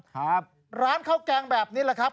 ครับร้านข้าวแกงแบบนี้แหละครับ